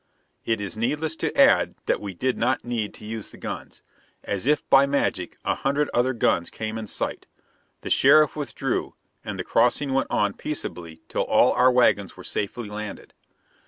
It is needless to add that we did not need to use the guns. As if by magic a hundred other guns came in sight. The sheriff withdrew, and the crossing went on peaceably till all our wagons were safely landed.